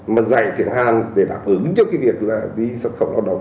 mà dạy tiếng hàn để đáp ứng cho cái việc là đi xuất khẩu lao động